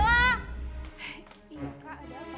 iya kak ada apa